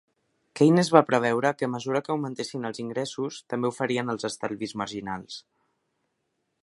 Keynes va preveure que a mesura que augmentessin els ingressos, també ho farien els estalvis marginals.